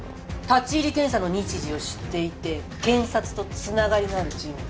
立入検査の日時を知っていて検察とつながりのある人物。